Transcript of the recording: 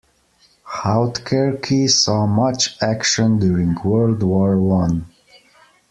Houtkerque saw much action during World War One.